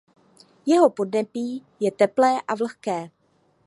Jeho podnebí je teplé a vlhké.